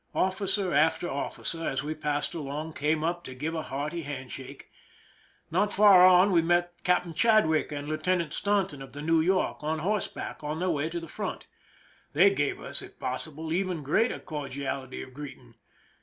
Ofl&cer after officer, as we passed along, came up to give a hearty hand shake. Not far on we met Captain Chadwick and Lieuten ant Staunton of the New York, on horseback, on their way to the front. They gave us, if possible, even greater cordiality of greeting.